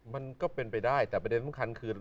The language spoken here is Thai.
มันก็เป็นไปได้แต่ประเด็นสำคัญคือ